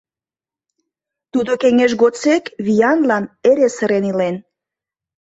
Тудо кеҥеж годсек Виянлан эре сырен илен.